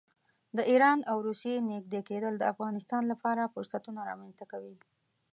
د ایران او روسیې نږدې کېدل د افغانستان لپاره فرصتونه رامنځته کوي.